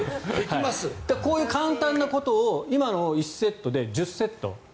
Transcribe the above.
こういう簡単なことを今の１セットで１０セット。